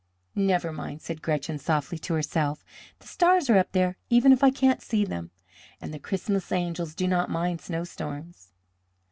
"Never mind," said Gretchen softly to herself, "the stars are up there, even if I can't see them, and the Christmas angels do not mind snowstorms."